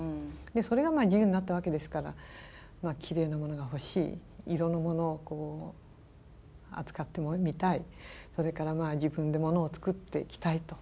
それが自由になったわけですからきれいなものが欲しい色のものを扱ってもみたいそれから自分でモノを作っていきたいと。